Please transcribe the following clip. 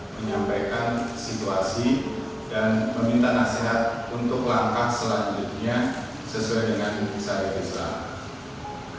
menyampaikan situasi dan meminta nasihat untuk langkah selanjutnya sesuai dengan kisah dan kisah